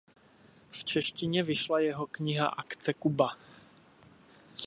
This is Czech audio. V češtině vyšla jeho kniha "Akce Kuba".